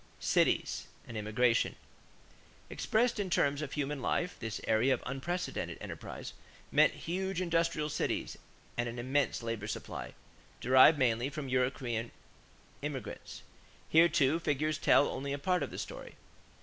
=Cities and Immigration.= Expressed in terms of human life, this era of unprecedented enterprise meant huge industrial cities and an immense labor supply, derived mainly from European immigration. Here, too, figures tell only a part of the story.